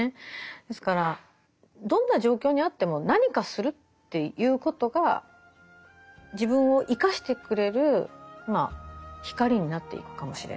ですからどんな状況にあっても何かするっていうことが自分を生かしてくれる光になっていくかもしれない。